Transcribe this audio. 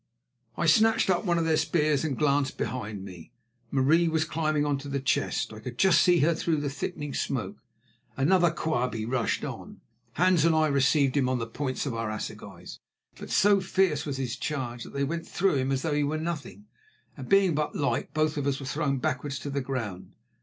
I snatched up one of their spears and glanced behind me. Marie was climbing on to the chest; I could just see her through the thickening smoke. Another Quabie rushed on. Hans and I received him on the points of our assegais, but so fierce was his charge that they went through him as though he were nothing, and being but light, both of us were thrown backwards to the ground.